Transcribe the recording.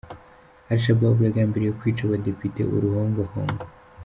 AliShababu yagambiriye kwica abadepite uruhongohongo